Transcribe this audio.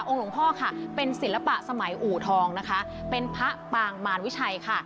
หลวงพ่อค่ะเป็นศิลปะสมัยอู่ทองนะคะเป็นพระปางมารวิชัยค่ะ